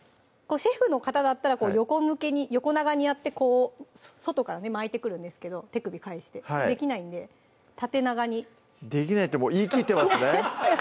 シェフの方だったら横長にやってこう外から巻いてくるんですけど手首返してできないんで縦長に「できない」ってもう言い切ってますね